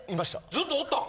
ずっとおったん？